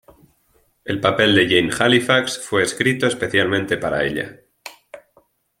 El papel de Jane Halifax fue escrito especialmente para ella.